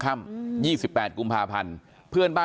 นางมอนก็บอกว่า